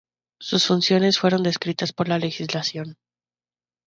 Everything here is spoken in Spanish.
Sus funciones fueron descritas por la legislación.